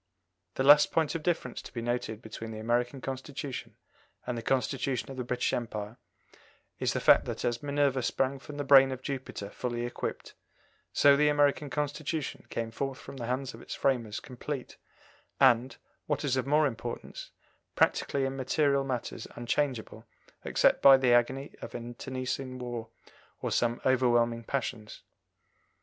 The last point of difference to be noted between the American Constitution and the Constitution of the British Empire is the fact that as Minerva sprang from the brain of Jupiter fully equipped, so the American Constitution came forth from the hands of its framers complete and, what is of more importance, practically in material matters unchangeable except by the agony of an internecine war or some overwhelming passions.